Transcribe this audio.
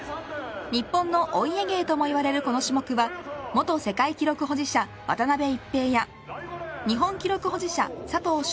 日本のお家芸ともいわれるこの種目は元世界記録保持者、渡辺一平や日本記録保持者、佐藤翔